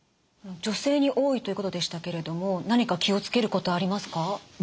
女性に多いということでしたけれども何か気を付けることありますか？